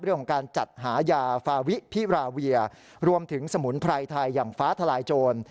เรื่องของการจัดหายาฟาวิพิราเวียรวมถึงสมุนไพรไทยอย่างฟ้าทลายโจร